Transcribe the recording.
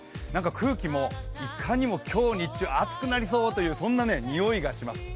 空気もいかにも今日日中暑くなりそうというにおいがします。